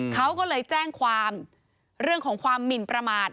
เขาก็เลยแจ้งความเรื่องของความหมินประมาท